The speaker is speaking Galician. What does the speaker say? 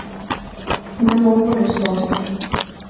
Non houbo resposta.